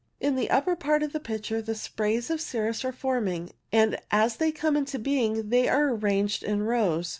In the upper part of the picture the sprays of cirrus are forming, and as they come into being they are arranged in rows.